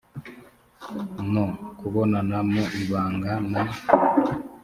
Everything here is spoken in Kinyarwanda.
no kubonana mu ibanga na